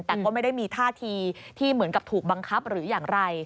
แต่ก็ไม่ได้มีท่าทีที่เหมือนกับถูกบังคับหรืออย่างไร